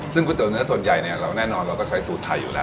ซึ่งก๋วยเตี๋เนื้อส่วนใหญ่เนี่ยเราแน่นอนเราก็ใช้สูตรไทยอยู่แล้ว